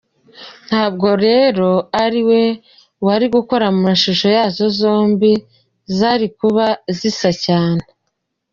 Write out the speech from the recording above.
Ntabwo rero ari we wari gukora amashusho yazo zombi zari kuza zisa cyane.